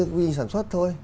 quy trình sản xuất thôi